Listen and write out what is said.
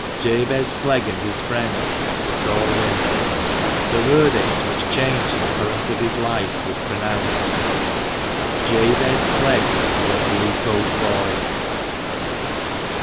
"Jabez Clegg and his friends" were called in ; the verdict which changed the current of his life was pronounced — Jabez Clegg was a Blue coat boy